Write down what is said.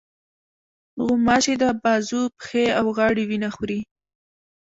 غوماشې د بازو، پښې، او غاړې وینه خوري.